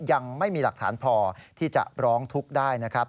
ยังไม่มีหลักฐานพอที่จะร้องทุกข์ได้นะครับ